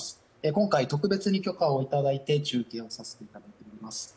今回特別に許可をいただいて中継をさせていただいております。